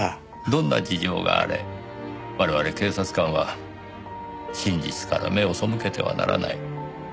どんな事情があれ我々警察官は真実から目を背けてはならない。